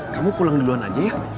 lho kau pulang duluan aja ya